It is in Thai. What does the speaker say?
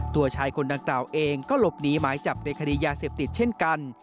ตัวชายคนดังกล่าวเองก็หลบหนีหมายจับในคดียาเสพติดเช่นกัน